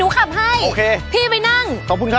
ถ้าพี่ไปนั่ง